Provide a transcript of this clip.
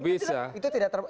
itu tidak terbawah